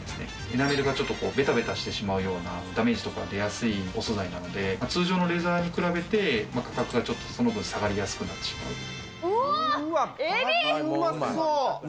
エナメルがちょっとべたべたしてしまうようなダメージとか出やすいお素材なので、通常のレザーに比べて、価格がちょっとその分、下がりやすくなってしまうと。